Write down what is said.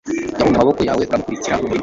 yahunze amaboko yawe uramukurikira mu murima